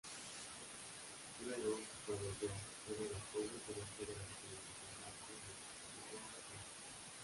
Luego proveyó fuego de apoyo directo durante el desembarco en Iwo Jima.